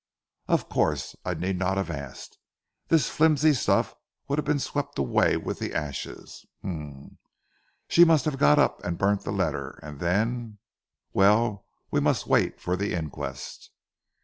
"Of course. I need not have asked. This flimsy stuff would have been swept away with the ashes. Humph! She must have got up and burnt the letter, and then Well, we must wait for the inquest."